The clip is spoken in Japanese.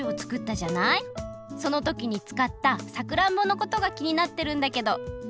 そのときにつかったさくらんぼのことがきになってるんだけど。